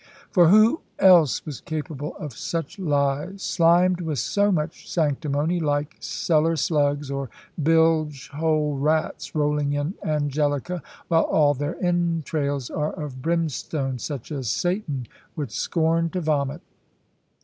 For who else was capable of such lies, slimed with so much sanctimony, like cellar slugs, or bilge hole rats, rolling in Angelica, while all their entrails are of brimstone, such as Satan would scorn to vomit?